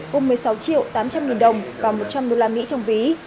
gồm một mươi sáu triệu tám trăm linh nghìn đồng và một trăm linh đô la mỹ trong ví